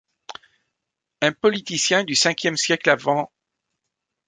Un policitien du Ve siècle av.